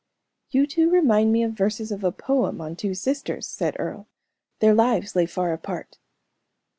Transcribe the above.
"You two remind me of verses of a poem on two sisters," said Earle. "Their lives lay far apart.